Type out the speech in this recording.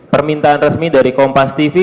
permintaan resmi dari kompas tv